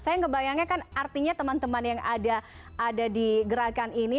saya ngebayangnya kan artinya teman teman yang ada di gerakan ini